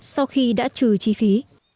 sau khi đã trừ chi phí